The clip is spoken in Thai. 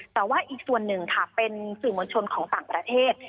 แต่ว่าอีกส่วนหนึ่งค่ะเป็นสื่อมวลชนของต่างประเทศ